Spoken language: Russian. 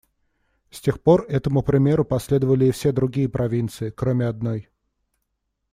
С тех пор этому примеру последовали и все другие провинции, кроме одной.